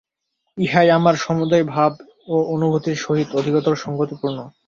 ইহাই আমার সমুদয় ভাব ও অনুভূতির সহিত অধিকতর সঙ্গতিপূর্ণ।